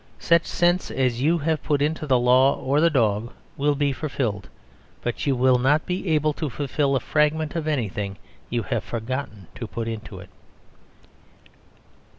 Such sense as you have put into the law (or the dog) will be fulfilled. But you will not be able to fulfil a fragment of anything you have forgotten to put into it.